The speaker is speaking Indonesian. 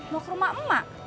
mau ke rumah emak